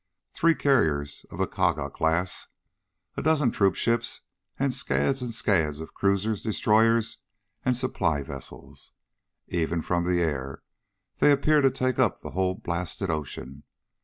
Three carriers of the Kaga class, a dozen troop ships, and scads and scads of cruisers, destroyers, and supply vessels. Even from the air they appear to take up the whole blasted ocean.